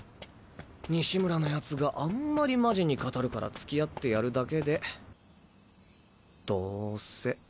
西村の奴があんまりマジに語るから付き合ってやるだけでどうせ。